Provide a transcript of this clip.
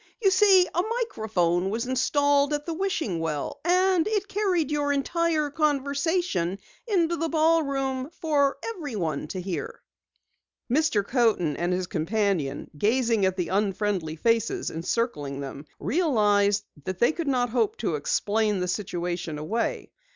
You see, a microphone was installed at the wishing well and it carried your entire conversation into the ballroom for everyone to hear." Mr. Coaten and his companion, gazing at the unfriendly faces encircling them, realized that they could not hope to explain the situation away.